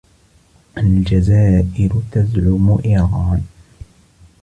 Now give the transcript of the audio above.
الجزائر تزعم إيران.